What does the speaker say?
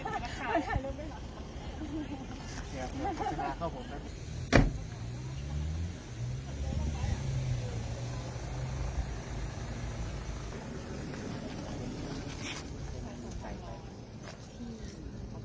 ล้านออกไปไม่ได้หรอก